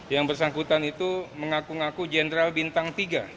yang bersangkutan itu mengaku ngaku jenderal bintang tiga